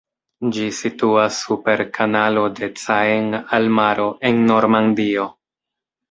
Ĝi situas super Kanalo de Caen al Maro, en Normandio.